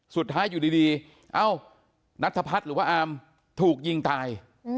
สุดท้ายอยู่ดีเอ้านัทพัฒน์หรือว่าอามถูกยิงตาย